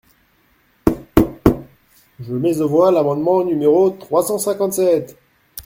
Je mets aux voix l’amendement numéro trois cent cinquante-sept.